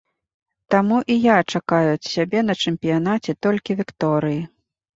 Таму і я чакаю ад сябе на чэмпіянаце толькі вікторыі.